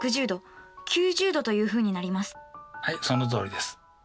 はいそのとおりです。